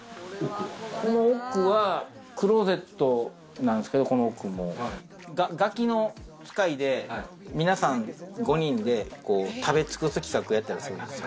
この奥はクローゼットなんですけど、『ガキの使い』で皆さん５人で食べ尽くす企画やったんですよ。